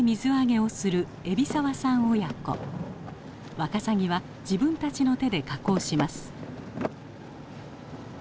ワカサギは自分たちの手で加工します。